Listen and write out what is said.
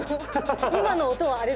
今の音はあれだ。